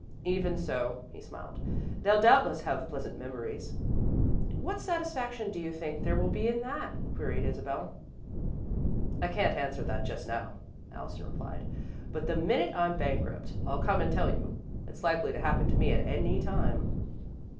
"Even so," he smiled, "they'll doubtless have pleasant memories." "What satisfaction do you think there will be in that?" queried Isabel. "I can't answer just now," Allison replied, "but the minute I'm bankrupt, I'll come and tell you. It's likely to happen to me at any time."